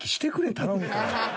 頼むから。